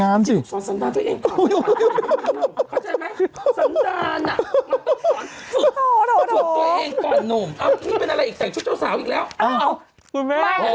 มันหลังอืม